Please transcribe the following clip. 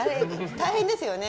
大変ですよね。